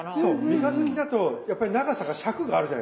三日月だとやっぱり長さが尺があるじゃないですか。